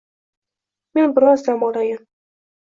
Men biroz dam olayin